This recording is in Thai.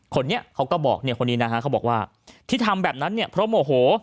คนนี้เขาบอกว่าที่ทำแบบนั้นเพราะมหอ